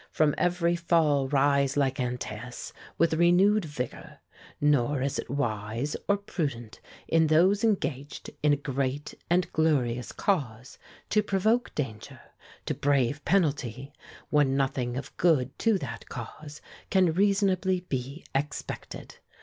From every fall rise like Antaeus, with renewed vigor. Nor is it wise or prudent in those engaged in a great and glorious cause to provoke danger, to brave penalty, when nothing of good to that cause can reasonably be expected.